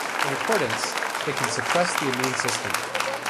In accordance, it can suppress the immune system.